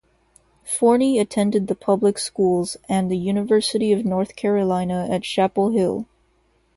Forney attended the public schools and the University of North Carolina at Chapel Hill.